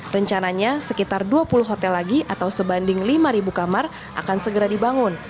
rencananya sekitar dua puluh hotel lagi atau sebanding lima kamar akan segera dibangun